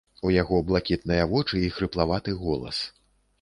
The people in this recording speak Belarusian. У яго блакітныя вочы і хрыплаваты голас.